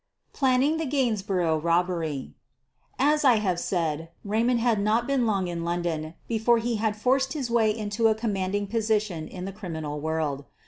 PLANNING THE GAINSBOROUGH ROBBERY As I have said, Raymond had not been long in London before he had forced his way into a com manding position in the criminal world.